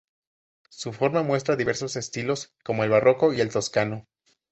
Su forma muestra diversos estilos como el barroco y el toscano.